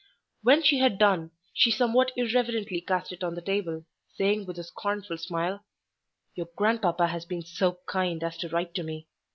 When she had done, she somewhat irreverently cast it on the table, saying with a scornful smile,— "Your grandpapa has been so kind as to write to me.